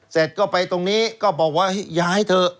เสร็จก็ไปตรงนี้ก็บอกว่าย้ายเถอะ